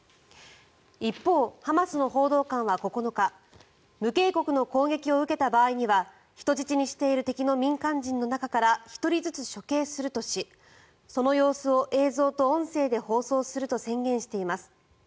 一方、ハマスの報道官は９日無警告の攻撃を受けた場合には人質にしている敵の民間人の中から１人ずつ処刑するとしその様子を映像と音声で放送すると宣言しています。